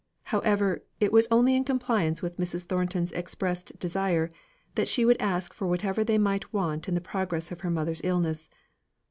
However, it was only in compliance with Mrs. Thornton's expressed desire, that she would ask for whatever they might want in the progress of her mother's illness.